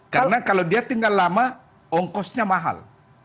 karena kalau dia tinggal lama ongkosnya mahal